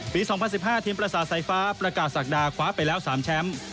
๒๐๑๕ทีมประสาทสายฟ้าประกาศศักดาคว้าไปแล้ว๓แชมป์